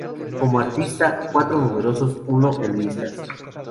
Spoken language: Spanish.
Como artista, cuatro números uno en listas.